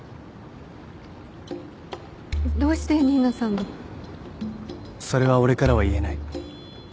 どうして新名さんが。それは俺からは言えない。